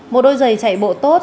một đôi giày chạy bộ tốt